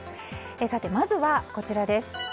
さて、まずはこちらです。